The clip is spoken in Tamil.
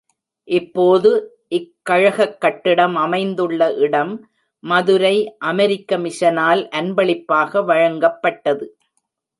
இப்போது இக் கழகக் கட்டிடம் அமைந்துள்ள இடம் மதுரை அமெரிக்க மிஷனால் அன்பளிப்பாக வழங்கப்பட்டது.